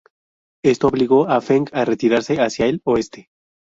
Esto obligó a Feng a retirarse hacia el oeste.